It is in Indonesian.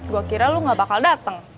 gue kira lu gak bakal datang